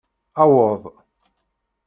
Aweḍ.